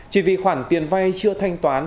chỉ vì khoản tiền vay chưa thanh toán